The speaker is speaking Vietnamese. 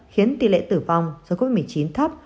khiến tỷ lệ tử vong do covid một mươi chín thấp